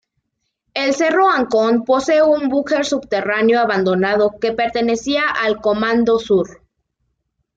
El cerro Ancón posee un búnker subterráneo abandonado, que pertenecía al Comando Sur.